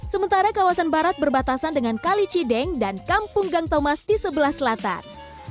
sementara kawasan barat berbatasan dengan kali cideng dan kampung gang thomas di sebelah selatan